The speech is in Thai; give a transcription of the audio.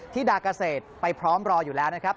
ดาเกษตรไปพร้อมรออยู่แล้วนะครับ